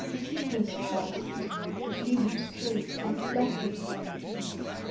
Keep his trust, lead him straight and bless him.